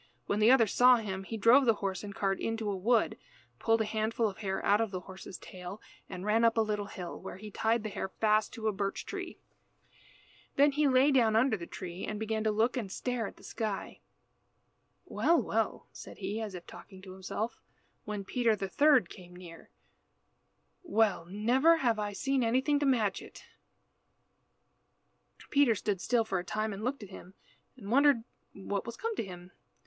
When the other saw him he drove the horse and cart into a wood, pulled a handful of hair out of the horse's tail, and ran up a little hill, where he tied the hair fast to a birch tree. Then he lay down under the tree and began to look and stare at the sky. "Well, well," said he, as if talking to himself, when Peter the third came near. "Well! never before have I seen anything to match it." Peter stood still for a time and looked at him, and wondered what was come to him.